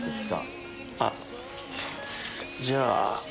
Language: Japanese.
あっじゃあ。